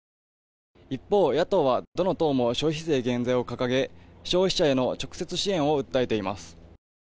一方、野党はどの党も消費税減税を掲げ消費者への直接支援を訴えています。